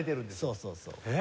そうそうそう。